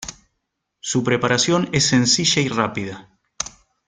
Su preparación es sencilla y rápida.